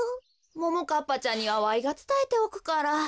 ももかっぱちゃんにはわいがつたえておくから。